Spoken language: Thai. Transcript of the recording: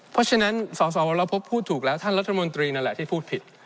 เพราะฉะนั้นสสวรพบพูดถูกแล้วท่านรัฐมนตรีนั่นแหละที่พูดผิด